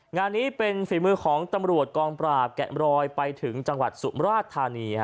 งานนี้เป็นฝีมือของตำรวจกองปราบแกะมรอยไปถึงจังหวัดสุมราชธานี